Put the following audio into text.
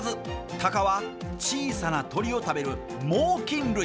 たかは小さな鳥を食べる猛きん類。